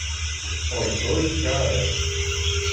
Ой, коли б чаю!